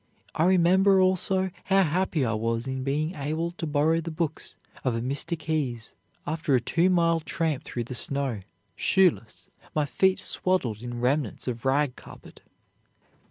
I remember, also, how happy I was in being able to borrow the books of a Mr. Keyes, after a two mile tramp through the snow, shoeless, my feet swaddled in remnants of rag carpet."